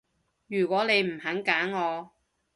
如果你唔肯揀我